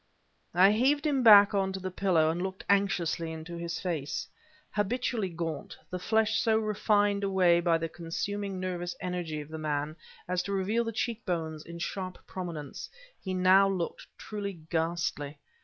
I heaved him back onto the pillow, and looked anxiously into his face. Habitually gaunt, the flesh so refined away by the consuming nervous energy of the man as to reveal the cheekbones in sharp prominence, he now looked truly ghastly.